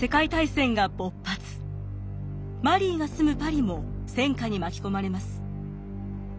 マリーが住むパリも戦火に巻き込まれます。